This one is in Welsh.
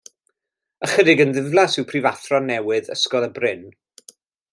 Ychydig yn ddiflas yw prifathro newydd Ysgol y Bryn.